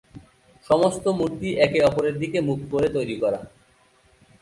সমস্ত মূর্তি একে অপরের দিকে মুখ করে তৈরী করা।